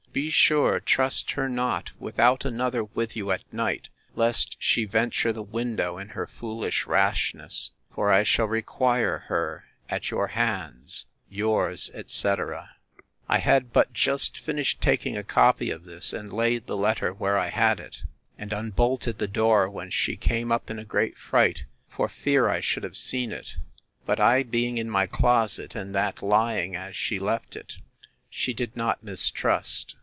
Be sure trust her not without another with you at night, lest she venture the window in her foolish rashness: for I shall require her at your hands. 'Yours, etc.' I had but just finished taking a copy of this, and laid the letter where I had it, and unbolted the door, when she came up in a great fright, for fear I should have seen it; but I being in my closet, and that lying as she left it, she did not mistrust.